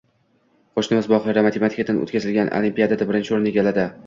“Qo‘shnimiz Mohira matematikadan o‘tkazilgan olimpiadada birinchi o‘rinni egalladi